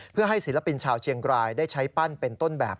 เพื่อให้ศิลปินชาวเชียงรายได้ใช้ปั้นเป็นต้นแบบ